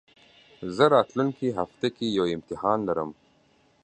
زه راتلونکي هفته کي يو امتحان لرم